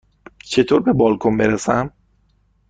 چطور به بالکن برسم؟